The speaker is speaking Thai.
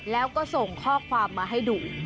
แล้วก็ส่งข้อความมาให้ดู